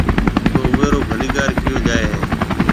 تو اُوئي رو ڀليڪار ڪئيو جائي هيَ۔